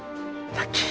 ラッキー！